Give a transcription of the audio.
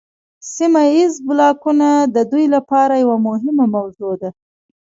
سیمه ایز بلاکونه د دوی لپاره یوه مهمه موضوع ده